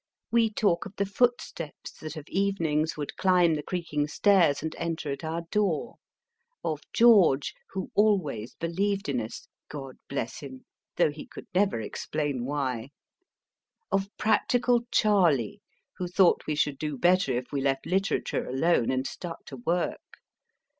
We talk of the footsteps that of evenings would climb the creaking stairs and enter at our door ; of George, who always believed in us (God bless him !), though he could never explain why ; of practical Charley, who thought we should do better if we left literature alone and stuck to work.